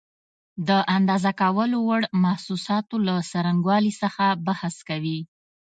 د اندازه کولو وړ محسوساتو له څرنګوالي څخه بحث کوي.